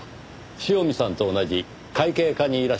塩見さんと同じ会計課にいらっしゃった。